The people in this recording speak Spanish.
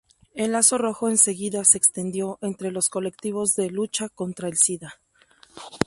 El lazo rojo enseguida se extendió entre los colectivos de lucha contra el sida.